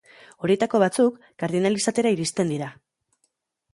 Horietako batzuk, kardinal izatera iristen dira.